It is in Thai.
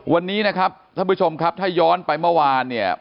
วันนี้นะครับท่านผู้ชมครับถ้าย้อนไปเมื่อวานเนี่ย